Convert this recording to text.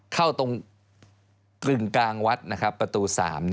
เข้าตรงกึ่งกลางวัดนะครับประตู๓